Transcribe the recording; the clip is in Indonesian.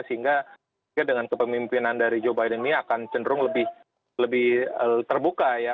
sehingga dengan kepemimpinan dari joe biden ini akan cenderung lebih terbuka ya